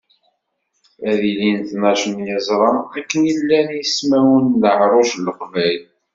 Ad ilin tnac n yeẓra, akken i llan yismawen n leɛruc n leqbayel.